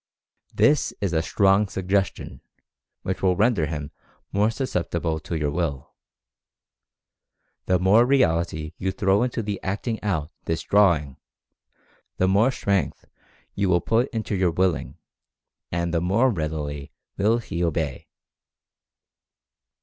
This is a strong suggestion, which will render him more susceptible to your Will. The more reality you throw into the "acting out" this "drawing" the more strength will you put into your Willing, and the more readily will he obey.